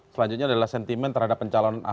selanjutnya adalah sentimen terhadap pencalon ahok